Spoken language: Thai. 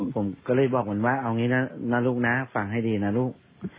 ผมก็เลยบอกมันว่าเอางี้นะลูกนะฟังให้ดีนะลูก